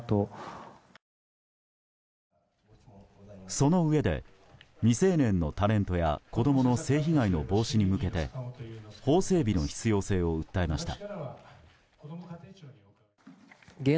そのうえで未成年のタレントや子供の性被害の防止に向けて法整備の必要性を訴えました。